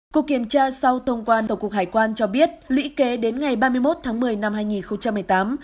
cục kiểm tra sau thông quan tổng cục hải quan cho biết lũy kế đến ngày ba mươi một tháng một mươi năm hai nghìn một mươi tám